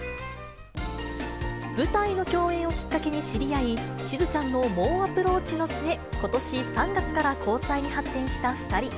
舞台の共演をきっかけに知り合い、しずちゃんの猛アプローチの末、ことし３月から交際に発展した２人。